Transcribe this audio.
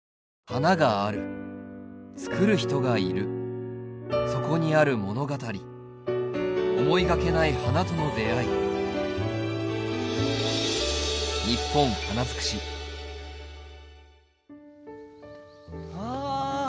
花があるつくる人がいるそこにある物語思いがけない花との出会いあ